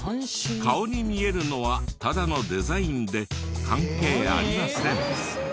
顔に見えるのはただのデザインで関係ありません。